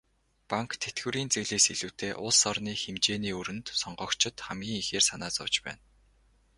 Банк, тэтгэврийн зээлээс илүүтэй улс орны хэмжээний өрөнд сонгогчид хамгийн ихээр санаа зовж байна.